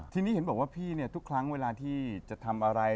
ทีนี้เห็นบอกว่าพี่เนี่ยทุกครั้งเวลาที่จะทำอะไร